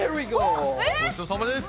ごちそうさまです！